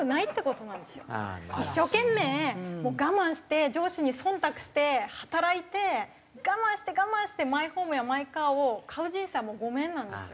一生懸命もう我慢して上司に忖度して働いて我慢して我慢してマイホームやマイカーを買う人生はもうごめんなんですよ。